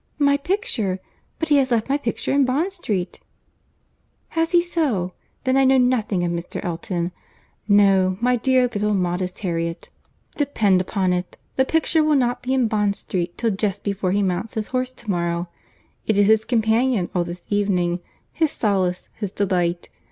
"My picture!—But he has left my picture in Bond street." "Has he so!—Then I know nothing of Mr. Elton. No, my dear little modest Harriet, depend upon it the picture will not be in Bond street till just before he mounts his horse to morrow. It is his companion all this evening, his solace, his delight.